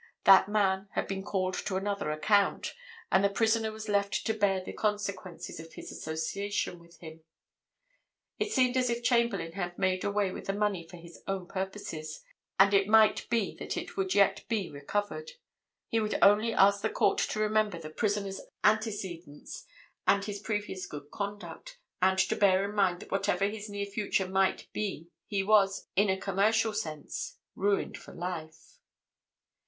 That man had been called to another account, and the prisoner was left to bear the consequences of his association with him. It seemed as if Chamberlayne had made away with the money for his own purposes, and it might be that it would yet be recovered. He would only ask the Court to remember the prisoner's antecedents and his previous good conduct, and to bear in mind that whatever his near future might be he was, in a commercial sense, ruined for life.